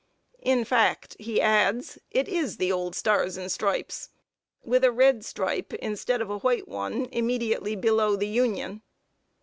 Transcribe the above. In fact, he adds, it is the old Stars and Stripes, with a red stripe instead of a white one immediately below the union.